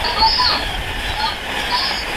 保陶基是共和党籍。